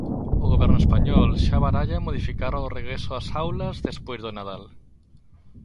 O Goberno español xa baralla modificar o regreso ás aulas despois do Nadal.